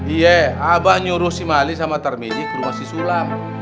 iya abah nyuruh si mali sama parmiji ke rumah si sulam